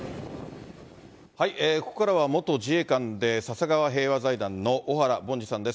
ここからは元自衛官で笹川平和財団の小原凡司さんです。